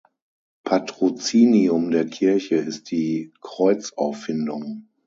Patrozinium der Kirche ist die Kreuzauffindung.